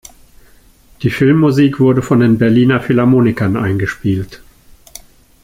Die Filmmusik wurde von den Berliner Philharmonikern eingespielt.